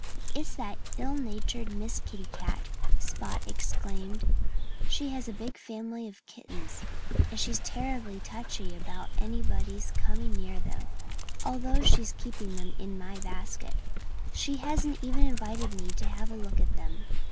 "It's that ill natured Miss Kitty Cat," Spot exclaimed. "She has a big family of kittens. And she's terribly touchy about anybody's coming near them. Although she's keeping them in my basket, she hasn't even invited me to have a look at them....